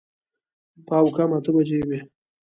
پاو کم اته بجې وې.